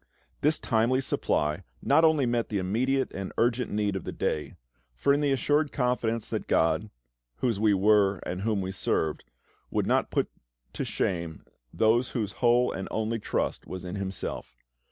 This timely supply not only met the immediate and urgent need of the day; for in the assured confidence that GOD, whose we were and whom we served, would not put to shame those whose whole and only trust was in Himself.